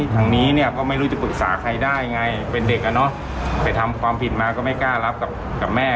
ทางนี้เนี่ยก็ไม่รู้จะปรึกษาใครได้ไงเป็นเด็กอ่ะเนอะไปทำความผิดมาก็ไม่กล้ารับกับแม่